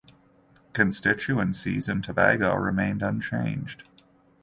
Constituencies in Tobago remained unchanged.